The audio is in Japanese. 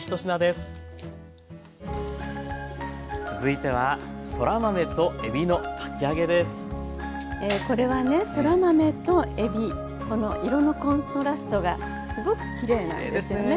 続いてはえこれはねそら豆とえびこの色のコントラストがすごくきれいなんですよね。